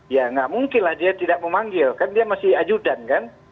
ya tidak mungkinlah dia tidak memanggil kan dia masih ajudan kan